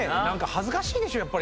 何か恥ずかしいでしょ。